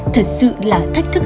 thật sự là thách thức